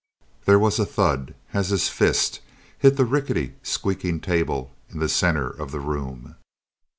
There was a thud as his fist hit the rickety, squeaking table in the center of the room.